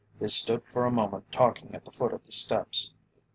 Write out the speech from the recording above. They stood for a moment talking at the foot of the steps.